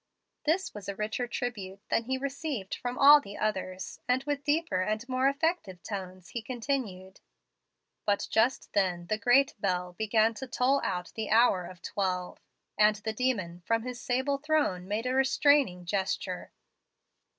This was a richer tribute than he received from all the others, and with deeper and more effective tones he continued: "But just then the great bell began to toll out the hour of twelve, and the demon, from his sable throne, made a restraining gesture.